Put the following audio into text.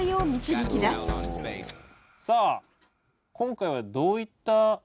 さあ今回はどういった技を？